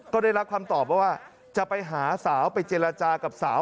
ก็ได้รับคำตอบว่าจะไปหาสาวไปเจรจากับสาว